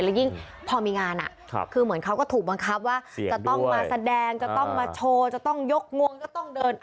แล้วยิ่งพอมีงานคือเหมือนเขาก็ถูกบังคับว่าจะต้องมาแสดงจะต้องมาโชว์จะต้องยกงวงก็ต้องเดิน